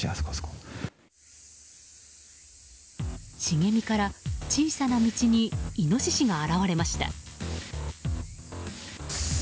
茂みから小さな道にイノシシが現れました。